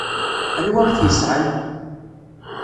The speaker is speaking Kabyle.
Anwa i t-yesɛan?